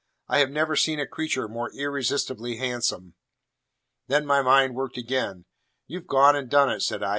I have never seen a creature more irresistibly handsome. Then my mind worked again. "You've gone and done it," said I.